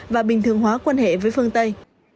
và bình thường hóa quan hệ với phương tây